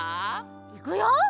いくよ。